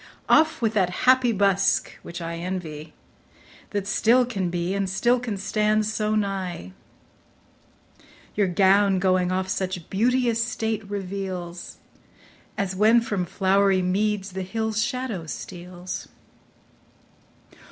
Off with that happy busk, which I envy, That still can be, and still can stand so nigh. Your gown going off such beauteous state reveals, As when from flowery meads th' hill's shadow steals.